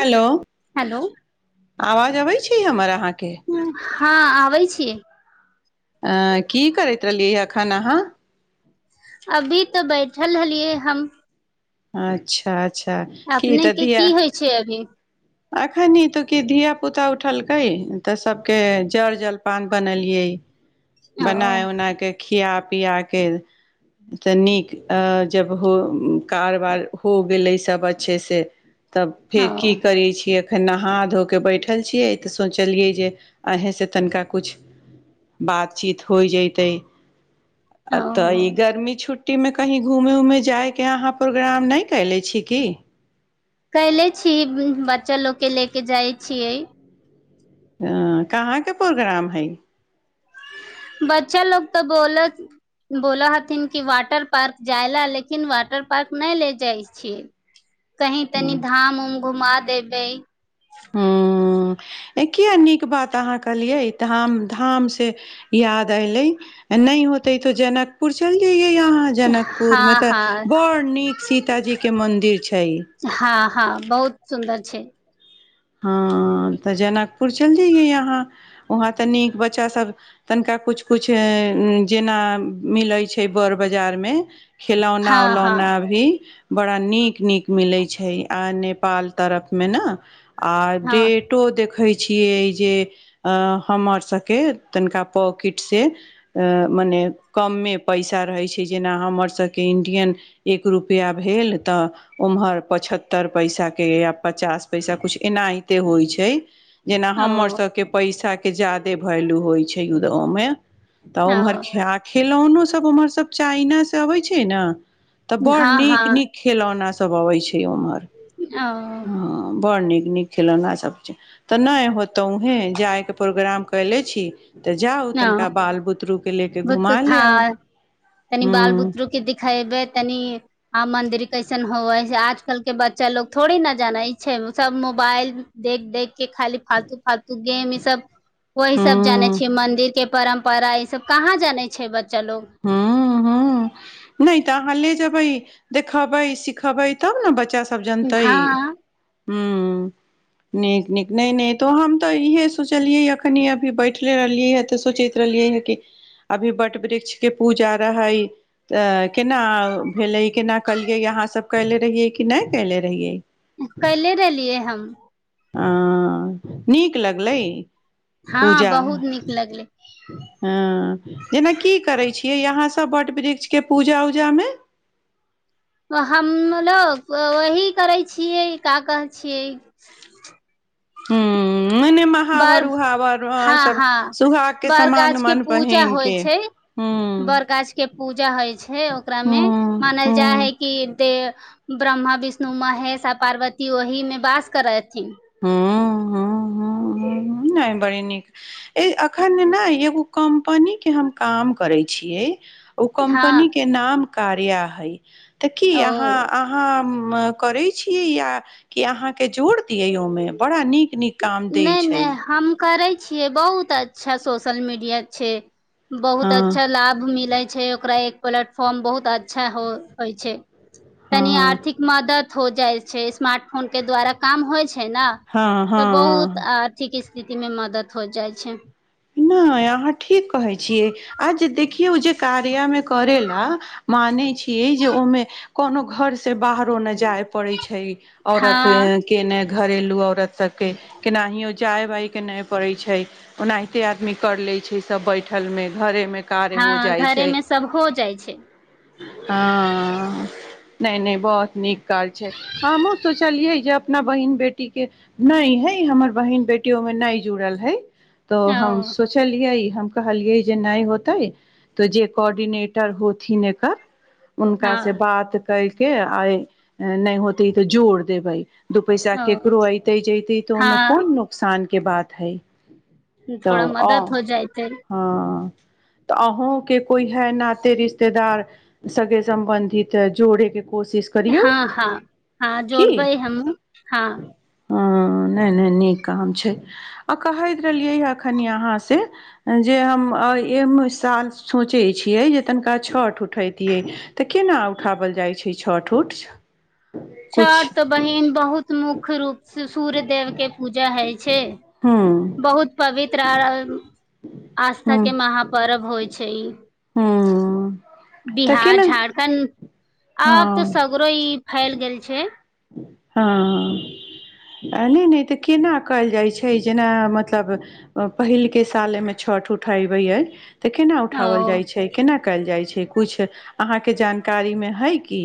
hello hello आवाज अबै छै हमर अहाँके हँ आबै छीयै अ की करैत रहलियै अखन अहाँ अभी तऽ बैठल लहलियै हम अच्छा अच्छा की तऽ धिया अ छै अभी अखन इ त की धिया पुता उठलकै तऽ सभके जलपान बनेलियै ओ बनाय उनाय कऽ खिया पिया कऽ तऽ नीक जब हो कारबार हो गेलै सब अच्छेसँ तब ओ फेर की करै छियै फेर नहा धो कऽ बैठल छियै तऽ सोचलियै जे अहीसँ तनिका किछु बातचीत होइ जैतै ओ तऽ हो ई गर्मी छुट्टी ट्टीमे कहीं घुमे उमे जाइके अहाँ प्रोग्राम नहि कले छी की कयले छी बच्चा लोक के ले के जाइ छियै अं कहाँके प्रोग्राम हइ बच्चा लोक तऽ बोलत बोलऽ हथिन कि वाटर पार्क जाय ला लेकिन वाटर पार्क नहि ले जाइ अछि कही तनी हूँ धाम उम घुमा देबै ह ए किए नीक बात अहाँ कहलियै ई धाम धाम से याद एयलै नै होतै तो जनक पुछल जइये यहाँ जनकपुर में हँ तऽ हँ बड़ नीक सीतााजी के मंदिर छै हँ हँ बहुत सुन्दर छै हँ तऽ जनकपुर चइल जइयै यहाँ वहाँ तऽ नीक बच्चासभ तनिका कुछ कुछ जेना मिलै छै बड़ बाजारमे खिलौना हँ हँ उलौना भी बड़ा नीक नीक मिलै छै आ नेपाल तरफमें न आ हँ डेटो देख दखै छियै जे हमर सभके तनिका पॉकेटसँ मने कमें पैसा रहै छै जेना हमरसभके इण्डियन एक रुपआ भेल त उम्हर पचहत्तर पैसा के या पचास पैसा कुछ एनाहिते होइ छै जेना ओ हमर सबके पैसा के ज्यादे वैल्यू होइ छै अमे तऽ ओ उमहर खियाक खेलौनो सब उम्हर सब चाइना से अबै छै ने तऽ बड़ हँ हँ नीक नीक खेलौना सब अबै छै ओम्हर आँ ओ बड्ड नीक नीक खेलौना सब तऽ नहि होतौ उहे जायके प्रोग्राम कयले छी तऽ जाउ ओ तनिका बाल बुतरू के लेके हँ घुमा ले आउ तनि हूँ बाल बुदरु के देखैबय तनि आ मन्दिर कैसन होवै आजकल के बच्चा लोग थोड़े ने जानै छै सब मोबाइल देख देख के खाली फालतू फालतू गेम ई सब वही सब जाने हूँ छी मंदिर के परम्परा ई सब कहाँ जानै छै बच्चा लोग हूँ हूँ नहि तऽ अहाँ ले जेबै देखबै सिखबै तब ने बच्चा सब सब जनतै हँ हूं नीक नीक नहि नहि तो हम तऽ इहे सोचलियै अखनी अभी बैठले रहलिय ह तऽ सोचय रहलियै है कि अभी वट वृक्ष के पूजा रहै तऽ केना भेलै केना कलियै अहाँसभ कयले रहियै कि नहि कयले रहियै कैले रहलियै हम आँ नीक लगलै हँ पूजा बहुत नीक लगलै हँ जेना की करै छियै अहाँसभ वट वृक्षके पूजा उजामे‌ हमलोग वही करै छियै का कहै छियै हूँ ओने म [inaudible] हाँ बड़ वरु उहावरु हँ सब हँ सुहाग के बड़ गाछ समान पहिनक के हूँ बड़ गाछ के पूजा होइ छै ओकरा मे हूँ मानल जा हूँ हई कि दे ब्रह्मा विष्णु महेश पार्वती ओहि मे वास करै हथिन हूं‌ हूं हूं नहि बड़ी नीक ए एखन ने एगो कम्पनी के हम काम करै छियै ओ हँ कमनी के नाम कार्या हई त की अहाँ ओ आँ हम करै छिय आ की अहाँके जोड़ि दिय ओहिमे बड़ा नीक नीक काम दै नहि छै नहि हम करै छियै बहुत अच्छा सोशल मीडिया छै बहुत हँ अच्छा लाभ मिले छै ओकरा एक प्लेटफॉर्म बहुत अ -अच्छा होइ छै तनी हँ आर्थिक मदद हो जाइ छै स्मार्ट फोन के द्वारा काम होइ छै ने हँ तऽ हँ बहुत आर्थिक स्थितिमे मदद हो जाइत छै नहि अहाँ ठीक कहै छियै आ जे देखियौ ओ जे कार्यामे करै ला माने छियै जे ओहिमे कोनो घर से बाहरो नहि जाय पड़ैय छै औरत हँ ऐं के ने घरेलू औरत सब के केनाहि ओ जाय बाय के नहि पड़े छै ओनाहि कते आदमी कर ले छै सब बैठल मे घरे मे हँ घरे मे सब हो जाइ छै हँ नहि नहि बहुत नीक काज छै हमहुँ सोचलियै जब अपना बहिन बेटी के नहि हइ हमर बहिन बेटी ओहिमे नहि जुड़ल हइ तो ओ हम सोचलियै हम कहलियै जे नहि होतै तऽ जे कोर्डिनेटर होथिन एकर हुनका से हँ बात करके आइ नहि होते है तऽ जोड़ देबै दू पैसा ओ केकरो ऐते जते तऽ ओहिमे कोन हँ नुकसान के बात हइ तऽ थोड़ा आ मदद हो जयतै हँ तऽ अहुं के कोई है ना ते रिश्तेदार सगे सम्बंधि त जोड़ेके कोशिश करियौ हँ हँ हँ जोड़बै हमूँ हँ हं नहि नहि नीक काम छै आ कहैत रहलियै ह एखन अहाँ से जे हम ए म साल सोचैत छियै जे तनिका छठि उठैतियै तऽ केना उठाओल जाइ छै छठ उठ किछु छठ बहिन बहुत मुख्य रूपस सूर्यदेवके पूजा होइ छै हूँ बहुत पवित्र आर आस्था के महापर्व होइ छै ई हँ बिहार झारखंड आब हँ त सगरो ई फैल गेल छै हँ नै नै तऽ केना कयल जाइत छै जेना मतलब पहिलके सालमे छठ उठे बै अय तऽ केना ओ उठाओल जाइ छै केना कयल जाइ छै किछु अहाँके जानकारीमे हइ कि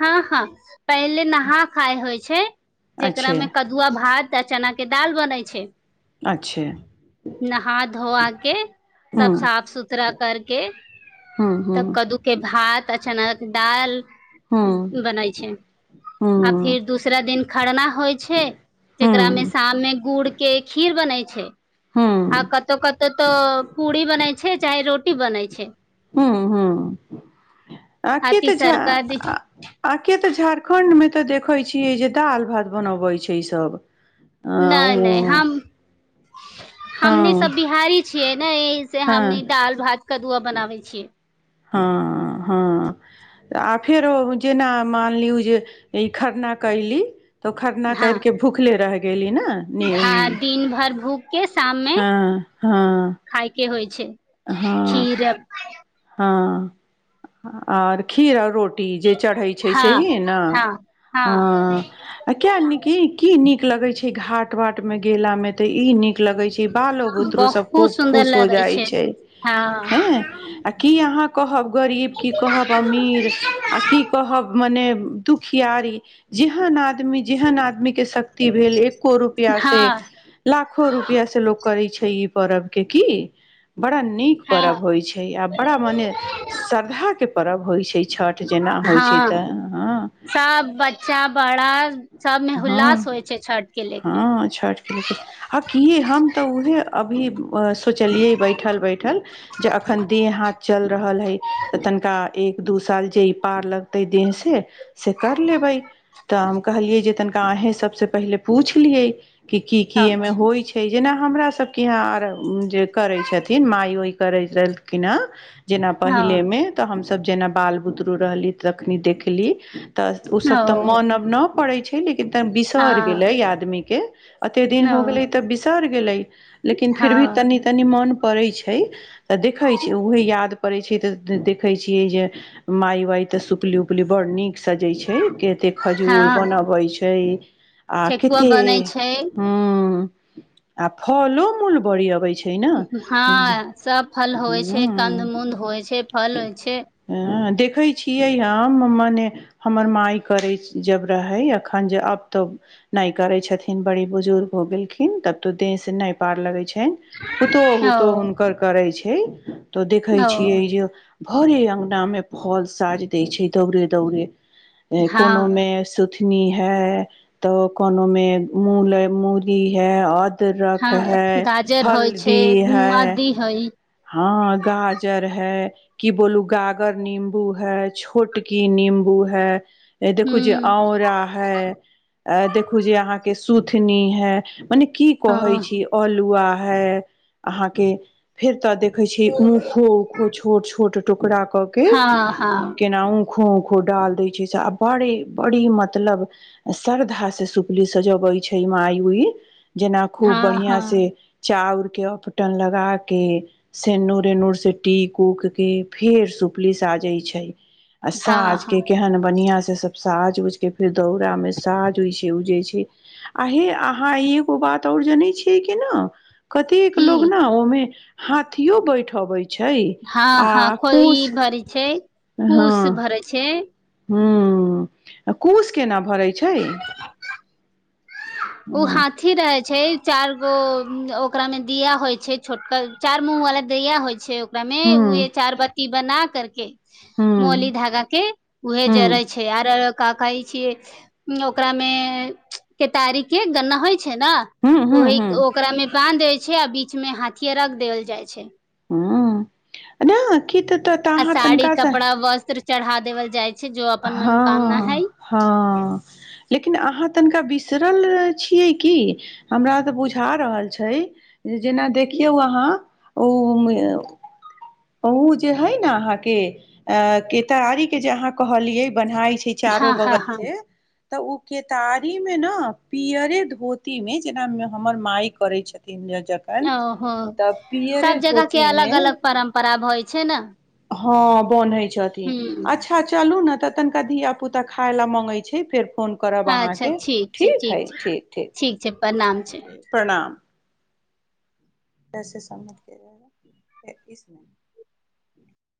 हँ हँ पहिले नहा खाय होय छै जेकरा अच्छे मे क दु आ भात आ चना के दाल बनै छै अच्छा नहा धोआ के सब हूँ साफ सुथरा करके हूँ हूँ तब कद्दूके भात अ चना क दाल हूँ बनै छै आ हूँ फिर दूसरा दिन खरना होइ छे जेकरा मे हूँ शाम मे गुड़ के खीर बनै छै हूँ आ कतउकतउ तऽ पूरी बनै छै चाहे रोटी बनैत छै हू ह आ की तऽ झ तीसरका दिन आ के त झारखण्ड में तऽ देखैत छियै जे दालि भात बनबैत छै ई सब नै नै हम हमनी हँ सब बिहारी छियै ने से हँ हमनी दाल भात कदुआ बनाबै छियै हँ हँ आ फेरो जेना मान लियौ जे ई खरना कयली त ओ खरना हँ कर केे भूखले रह गेली ने न हँ दिन भर भूख हँ हँ खायके होई छै हँ खीर हँ आर खीर रोट टी जे चढ़ै छै से हँ ही ने हँ हँ ह आ किया निकी की निक लगै छै घाट वाट में गेला में ते इ नीक लगै छै बालो बुतरु सब बहुत खूब सुन्दर खुश हो लगै जाइ छै हँ हैं आ की आहाँ कहब गरीब की कहब अमीर आ की कहब मने दुखियारी जेहन आदमी जेहन आदमी के शक्ति भेल एको रुपआ से हँ लाखो रुपया से लोक करै छै ई पर्व के की बड़ा नीक पोरब होइ छै है आ पोरब ओने श्रद्धा के परब होइ छै छठ ट जेना होइ छै त हँ चा बड़ा सबमे हँ हुल्लास होइ छै छठ के ले के हँ छठ के लेके आ कि हम त उहे अभी सोचलिये बैठल बैठल जे अखन देह हाथ चल रहल हई त तनिका एक दू साल जे ई पार लगतै देह से से कर लेबै त हम कहलिये जे तनिका अहें सभसँ पहिले पूछ लियै कि की की हँ एहिमे होइ छै जेना हमरा सबके यहाँ आर जे करै छथिन माय ओय करै रहलखिन हैं जेना पहिले हँ मे त हमसब जेना बाल बुदरु रहली तखनी देखली त ओसभ त हँ मोन अब न ड़ै छै लेकिन त बिसर गेलै हँ आदमीके अतेक दिन हो गेलै त बिसरि गेलै लेकिन फिर भी हँ तनी तनी मोन पड़ै छ त देखै छै उहे याद पड़ै छै त देखे छियै जे मााय वाइ त सुपली उपली बड़ नीक सजे छै केते खजूर हँ बनबै छै आ ठेकुआ केते बनै छै हूँ आ फलो मूल बड़ी अबै छै ने जे हँ सब फल होइ छै हूँ कन्द मुद होइ छै फल होइ छ हँ देखै छियै हम मने हमर माई करै जब रहै एखन जे अब त नाय करै छथिन बड़ी बुजुर्ग हो गेलखिन तब त से नह पार लगै छै पुतहु ओ हुतो हुनकर करै छै त देखै ओ छियै ज भरे अंगना मे फल साज दै छै दौड़े दौड़ हँ कोनो में नी नी है तो कोनो मे मूले मूली है दरक हँ है हल्दी है हई हँ गाजर है कि बोलू गागर नींबू है छोटकी नींबू है अ ह देखू जे औंरा है अ देखू जे अहाँके सुथनी है मने की कह्य हँ छी अलुआ है अहाँ के फेर त देख छी ऊखो ऊखो छोट छोट टुकड़ा क के हँ हँ केनाऊ खो खो डाल दै छै से आ बड़ बड़ी मतलब आ श्रद्धा से सुपली सजाबै छै मायी उई जेना खूब हँ बढ़िया से हँ चाउर के अपटन लगा के सेनुर एनुर से टीक उक के फेर सुपलि साजय छै आ हँ साज हँ के केहन बढ़ियां से सब साज उजके फेर दौरा मे साझ होइ छै उजै छै आ हे आहाँ एगो बात और जनै छियै की न कतेक की लोग न ओमे हाथियों बैठबे हँ हँ कोई भरी छै कूश भरे छै हं आ कूश केना भरै छै ऊ हा हँ थी रहै छै चार गो ओकरा में दिया होय छै छोटका चार मुह वाला दियाा होइ छै करा में उहे हूँ चार बत्ती बना कर के मोली हूँ धागा के उहे जड़े हूँ छै छे आर कहै छियै ओकरा मे केतारी के गन्ना होइ छै छै न हूँ हूँ ओहि हूँ ओकरा मे बान् देै छै आ बीच में हाथियए रख देल जाइ छै हं नहि की तऽ त आ साड़ी कपड़ा वस्त्र चढ़ा देवल जाय छै जो अपन हँ मनोकामना हय हँ लेकिन अहाँ तनिका बिसरल छियै की हमरा तऽ बुझा रहल छै जेना देखियौ अहाँ उं उ जे हय न अहाँ के अ केतारी के जे अहाँ कहलियै बन्हाई छै की चारो हँ हँ बगल हँ से तऽ ओ केतारी मे ने पियरे धोती मे जेना हमर माइ करे छथिन ज ओहो सब जगह के मे अलग अलग परम्परा भइ छै न हँ बन्है छथिन अच्छ आ चलू ने तऽ तनिका धिया पुता खाय लऽ माँगै छै फेर फोन करब अच्छा आहाँके छै ठीक है छै ठीक ठीक छै प्रणाम छै प्रणाम [inaudible]